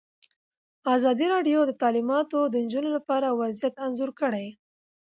ازادي راډیو د تعلیمات د نجونو لپاره وضعیت انځور کړی.